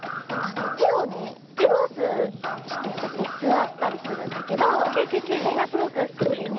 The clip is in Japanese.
クロスしてこうやってすわったりするんだけどそれがすごくすきでね。